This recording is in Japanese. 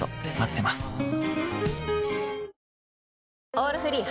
「オールフリー」